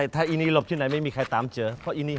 บางเจี๊ยบอยู่ไหนครับบางเจี๊ยบ